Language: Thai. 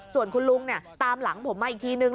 ส่วนคุณลุงตามหลังผมมาอีกทีนึง